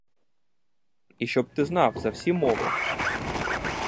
І щоб ти знав, за всі мови!